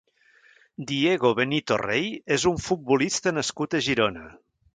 Diego Benito Rey és un futbolista nascut a Girona.